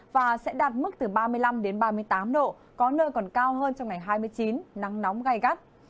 và sẽ đạt mức từ ba mươi năm đến ba mươi tám độ có nơi còn cao hơn trong ngày hai mươi chín nắng nóng gai gắt